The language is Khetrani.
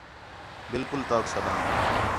بالکل توک سݙام